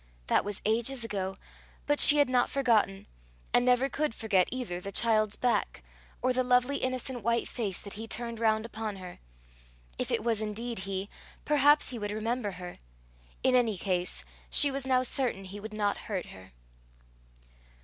That was ages ago, but she had not forgotten, and never could forget either the child's back, or the lovely innocent white face that he turned round upon her. If it was indeed he, perhaps he would remember her. In any case, she was now certain he would not hurt her.